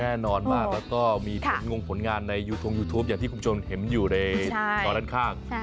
แน่นอนมากแล้วก็มีผลงผลงานในยูทงยูทูปอย่างที่คุณผู้ชมเห็นอยู่ในตอนด้านข้าง